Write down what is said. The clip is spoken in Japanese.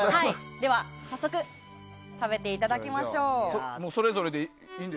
早速食べていただきましょう。